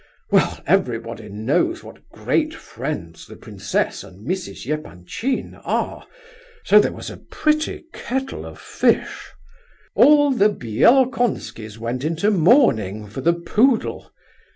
Well, everybody knows what great friends the princess and Mrs. Epanchin are, so there was a pretty kettle of fish. All the Bielokonskis went into mourning for the poodle.